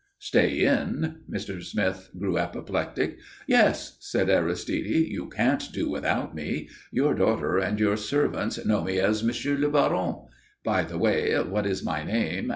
"Stay in?" Mr. Smith grew apoplectic. "Yes," said Aristide. "You can't do without me. Your daughter and your servants know me as M. le Baron by the way, what is my name?